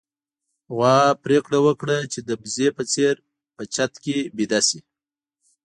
غوا پرېکړه وکړه چې د وزې په څېر په چت کې ويده شي.